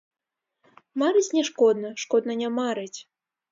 Марыць не шкодна, шкодна не марыць.